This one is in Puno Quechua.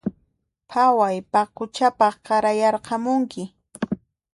Phaway paquchapaq qarayarqamunki